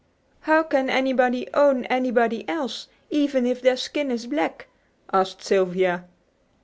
"How can anybody 'own' anybody else, even if their skin is black?" asked Sylvia.